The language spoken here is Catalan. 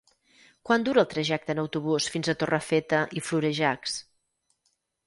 Quant dura el trajecte en autobús fins a Torrefeta i Florejacs?